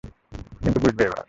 কিন্তু বুঝবে এবার।